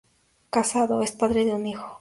Casado, es padre de un hijo.